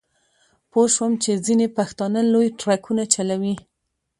پوی شوم چې ځینې پښتانه لوی ټرکونه چلوي.